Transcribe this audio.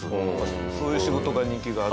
そういう仕事が人気がある？